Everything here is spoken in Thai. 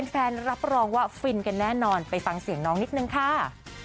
รับรองว่าฟินกันแน่นอนไปฟังเสียงน้องนิดนึงค่ะ